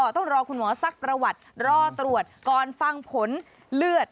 ต้องรอคุณหมอซักประวัติรอตรวจก่อนฟังผลเลือด